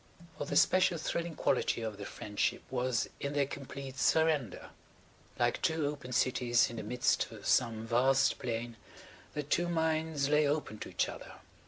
For the special thrilling quality of their friendship was in their complete surrender. Like two open cities in the midst of some vast plain their two minds lay open to each other.